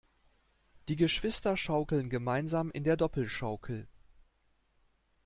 Die Geschwister schaukeln gemeinsam in der Doppelschaukel.